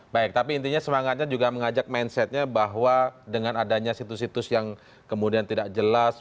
baik tapi intinya semangatnya juga mengajak mindsetnya bahwa dengan adanya situs situs yang kemudian tidak jelas